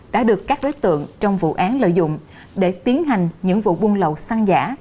đã được các đối tượng trong vụ án lợi dụng để tiến hành những vụ buôn lậu xăng giả